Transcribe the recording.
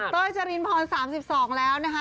จรินพร๓๒แล้วนะคะ